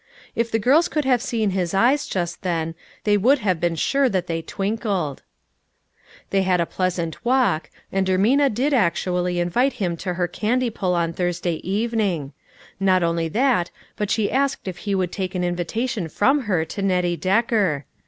If the girls could have seen his eyes just then, they would have been sure that they twinkled. They had a pleasant walk, and Ermina did actually invite him to her candy pull on Thurs day evening ; not only that, but she asked if he would take an invitation from her to Nettie Decker.